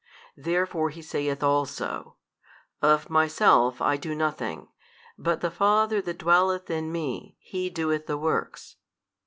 Therefore He saith also, Of Myself I do nothing; but the Father That dwelleth in Me, He doeth the works.